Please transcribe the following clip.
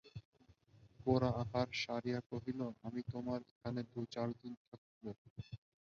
গোরা আহার সারিয়া কহিল, আমি তোমার এখানে দু-চার দিন থাকব।